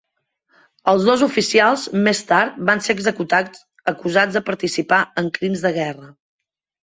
Els dos oficials més tard van ser executats acusats de participar en crims de guerra.